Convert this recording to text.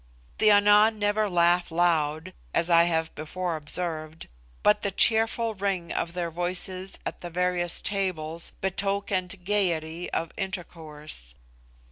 The Ana never laugh loud, as I have before observed, but the cheerful ring of their voices at the various tables betokened gaiety of intercourse.